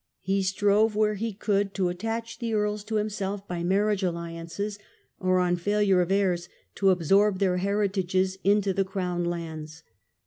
He strove where he could to attach the earls to himself by marriage alliances, or on failure of heirs to absorb their heritages into the crown lands.